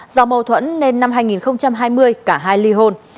do mâu thuẫn nên năm hai nghìn hai mươi cả hai ly hôn